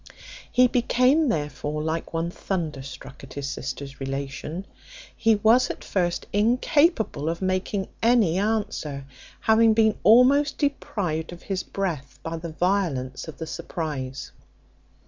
He became, therefore, like one thunderstruck at his sister's relation. He was, at first, incapable of making any answer, having been almost deprived of his breath by the violence of the surprize.